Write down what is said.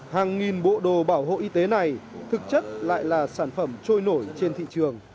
hàng nghìn bộ đồ bảo hộ y tế này thực chất lại là sản phẩm trôi nổi trên thị trường